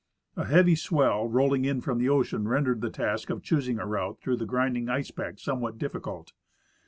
A heavy swell rolling in from the ocean rendered the task of choosing a route through the grinding ice pack somewhat difficult.